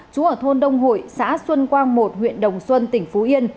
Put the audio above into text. chú ở thôn đông hội xã xuân quang một huyện đồng xuân tỉnh phú yên